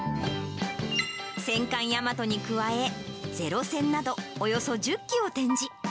戦艦大和に加え、零戦など、およそ１０機を展示。